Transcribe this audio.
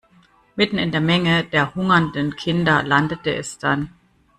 Mitten in der Menge der hungernden Kinder landete es dann.